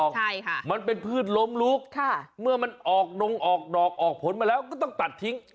ใช่ค่ะมันเป็นพืชล้มลุกค่ะเมื่อมันออกนงออกดอกออกผลมาแล้วก็ต้องตัดทิ้ง